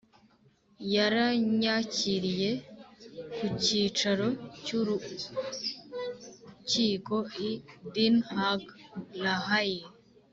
yarnyakiriye ku cyicaro cy'urukiko i den haag (la haye).